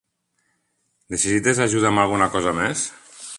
Necessites ajuda amb alguna cosa més?